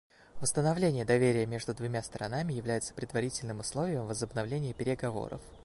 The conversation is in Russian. Восстановление доверия между двумя сторонами является предварительным условием возобновления переговоров.